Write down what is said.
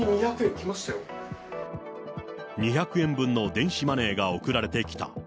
２００円分の電子マネーが送られてきた。